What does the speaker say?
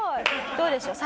どうでしょう？